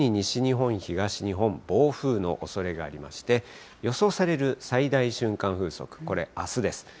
特に西日本、東日本、暴風のおそれがありまして、予想される最大瞬間風速、これ、あすです。